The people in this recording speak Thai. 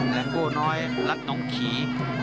แหลงโบน้อยแล้วต้องขี่